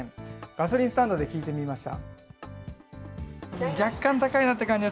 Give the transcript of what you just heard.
ガソリンスタンドで聞いてみました。